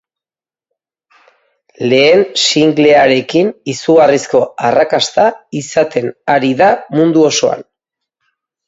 Lehen singlearekin izugarrizko arrakasta izaten ari da mundu osoan.